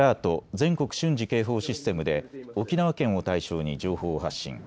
・全国瞬時警報システムで沖縄県を対象に情報を発信。